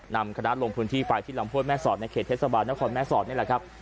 นำคณะลงพื้นที่ไปที่ลำห้วยแม่สอดในเขตเทศบาลนครแม่สอดนี่แหละครับ